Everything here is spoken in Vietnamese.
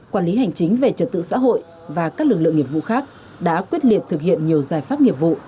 quản lý hành chính về trật tự xã hội và các lực lượng nghiệp vụ khác đã quyết liệt thực hiện nhiều giải pháp nghiệp vụ